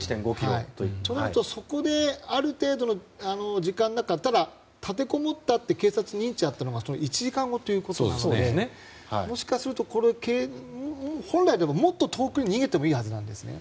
となると、そこである程度の時間が経ったら立てこもったという警察に認知があったのは１時間後ということなのでもしかすると、本来であればもっと遠くに逃げてもいいはずなんですね。